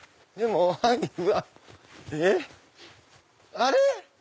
あれ⁉